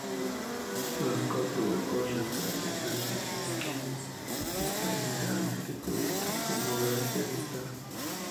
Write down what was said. Los cuatro huecos restantes de la esquinas están generalmente cubiertos con bóvedas de arista.